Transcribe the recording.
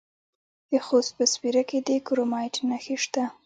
د خوست په سپیره کې د کرومایټ نښې شته.